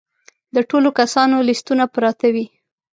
د ټولو کسانو لیستونه پراته وي.